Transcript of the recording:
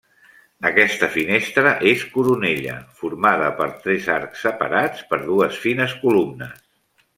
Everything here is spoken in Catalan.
Aquesta finestra és coronella formada per tres arcs separats per dues fines columnes.